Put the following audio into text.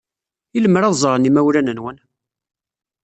I lemmer ad ẓren yimawlan-nwen?